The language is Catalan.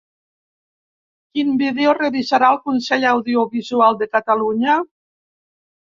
Quin vídeo revisarà el Consell Audiovisual de Catalunya?